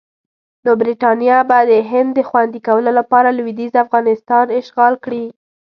نو برټانیه به د هند د خوندي کولو لپاره لویدیځ افغانستان اشغال کړي.